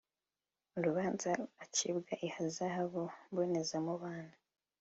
urubanza acibwa ihazabu mbonezamubano